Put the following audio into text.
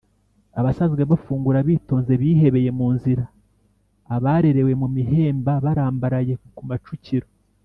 Abasanzwe bafungura bitonze bihebeye mu nzira, Abarerewe mu mihemba barambaraye ku macukiro